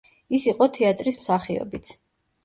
ის იყო თეატრის მსახიობიც.